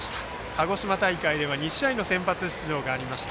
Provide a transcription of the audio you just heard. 鹿児島大会では２試合の先発出場がありました。